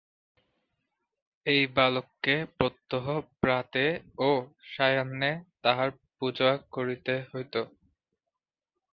এই বালককে প্রত্যহ প্রাতে ও সায়াহ্নে তাঁহার পূজা করিতে হইত।